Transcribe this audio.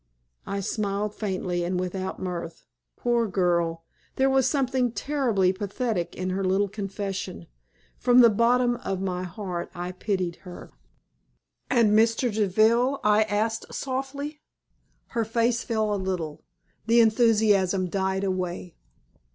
I smiled faintly, and without mirth. Poor girl! There was something terribly pathetic in her little confession. From the bottom of my heart I pitied her. "And Mr. Deville?" I asked, softly. Her face fell a little. The enthusiasm died away.